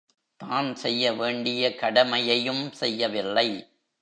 தான் செய்ய வேண்டிய கடமையையும் செய்யவில்லை.